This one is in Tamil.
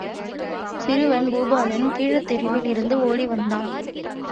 சிறுவன் பூபாலன் கீழத் தெருவிலிருந்து ஓடி வந்தான்.